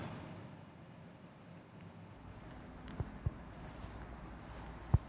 jemaah haji asal lumajang jawa timur memberi tanda unik pada koper mereka saat tiba di tanah suci